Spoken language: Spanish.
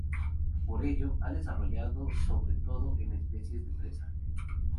Por ello, ha desarrollado sobre todo en especies de presa.